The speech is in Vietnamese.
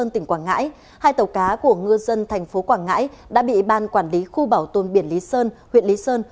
hai tàu cá của ngư dân tp quảng ngãi đã bị ban quản lý khu bảo tồn biển lý sơn huyện lý sơn